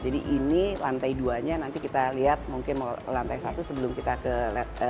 jadi ini lantai duanya nanti kita lihat mungkin lantai satu sebelum kita ke lantai dua